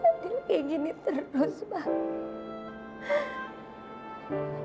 fadil kayak gini terus pak